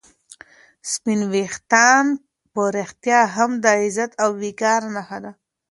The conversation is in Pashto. سپین ویښتان په رښتیا هم د عزت او وقار نښه ده.